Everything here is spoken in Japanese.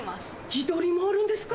自撮りもあるんですか！